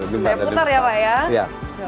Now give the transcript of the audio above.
saya putar ya pak ya